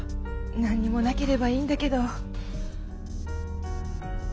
何にもなければいいんだけど。